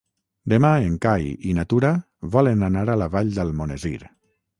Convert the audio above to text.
Demà en Cai i na Tura volen anar a la Vall d'Almonesir.